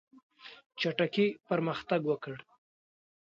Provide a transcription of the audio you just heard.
چټکي پرمختګ وکړ.